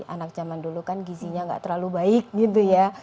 anak zaman dulu kan gizinya nggak terlalu baik gitu ya